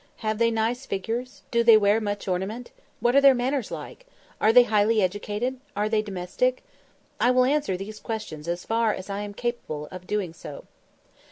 Have they nice figures? Do they wear much ornament? What are their manners like? Are they highly educated? Are they domestic?" I will answer these questions as far as I am capable of doing so.